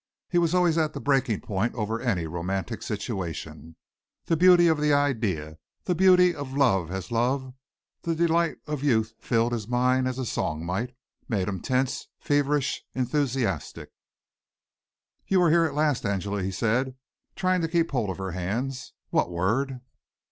He was always at the breaking point over any romantic situation. The beauty of the idea the beauty of love as love; the delight of youth filled his mind as a song might, made him tense, feverish, enthusiastic. "You're here at last, Angela!" he said, trying to keep hold of her hands. "What word?"